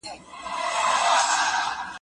یه زموږ د هسکو لوړو غرو او اېلبندونو لورې